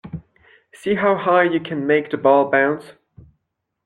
See how high you can make the ball bounce